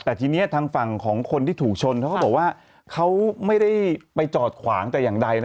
แต่ทีนี้ทางฝั่งของคนที่ถูกชนเขาก็บอกว่าเขาไม่ได้ไปจอดขวางแต่อย่างใดนะ